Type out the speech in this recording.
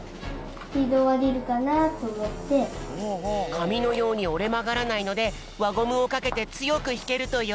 かみのようにおれまがらないのでわゴムをかけてつよくひけるとよそう。